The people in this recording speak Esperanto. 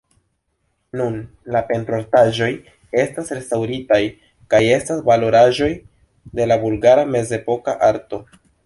Nun la pentroartaĵoj estas restaŭritaj kaj estas valoraĵoj de la bulgara mezepoka arto.